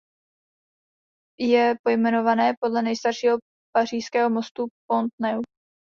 Je pojmenované podle nejstaršího pařížského mostu Pont Neuf.